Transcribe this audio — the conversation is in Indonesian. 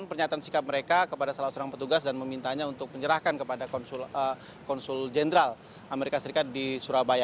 pernyataan sikap mereka kepada salah seorang petugas dan memintanya untuk menyerahkan kepada konsul jenderal amerika serikat di surabaya